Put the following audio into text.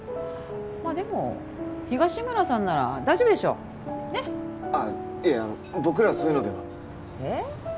まあでも東村さんなら大丈夫でしょねっああいえあの僕らそういうのではえっ？